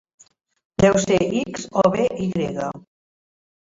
Deu ser "X" o bé "Y".